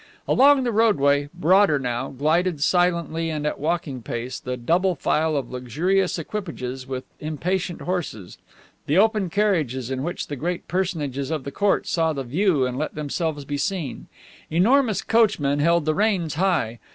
Along the roadway, broader now, glided, silently and at walking pace, the double file of luxurious equipages with impatient horses, the open carriages in which the great personages of the court saw the view and let themselves be seen. Enormous coachmen held the reins high.